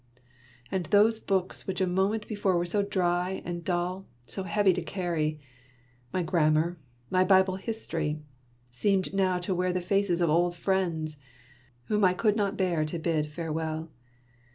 And those books which a moment before were so dry and dull, so heavy to carry, my grammar, my Bible history, seemed now to wear the faces of old friends, whom I could not bear to bid farewell.